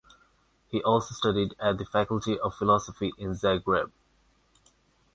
He also studied at the Faculty of Philosophy in Zagreb.